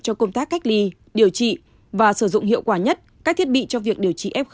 cho công tác cách ly điều trị và sử dụng hiệu quả nhất các thiết bị cho việc điều trị f